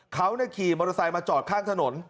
เขาขี่มอเตอร์ไซค์มาจอดข้างถนน